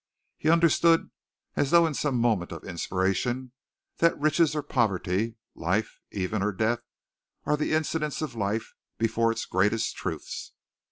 He understood, as though in some moment of inspiration, that riches or poverty, life, even, or death, are the incidents of life before its greatest truths.